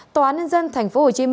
tòa án nhân dân tp hcm